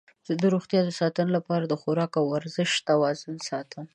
زه د روغتیا د ساتنې لپاره د خواراک او ورزش توازن ساتم.